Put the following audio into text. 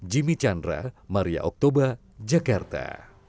jimmy chandra maria oktober jakarta